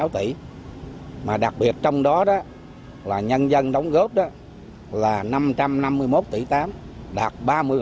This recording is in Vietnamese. một mươi sáu tỷ mà đặc biệt trong đó là nhân dân đóng góp là năm trăm năm mươi một tỷ tám đạt ba mươi